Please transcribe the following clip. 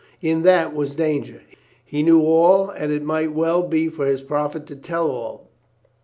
In that was danger. He knew all, and it might well be for his profit to tell all.